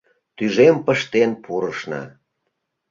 Тӱжем пыштен пурышна